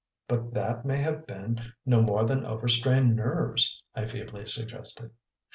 "But that may have been no more than over strained nerves," I feebly suggested.